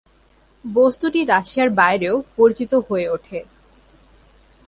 বস্তুটি রাশিয়ার বাইরেও পরিচিত হয়ে ওঠে।